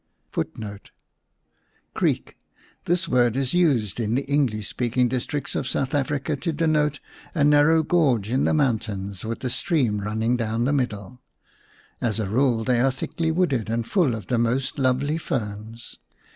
1 Creek. This word is used in the English speaking districts of South Africa to denote a narrow gorge in the mountains with a stream running down the middle. As a rule they are thickly wooded and full of the most lovely ferns.